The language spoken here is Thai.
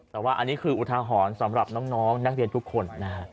แต่ว่าอันนี้คืออุทาหรณ์สำหรับน้องนักเรียนทุกคนนะฮะ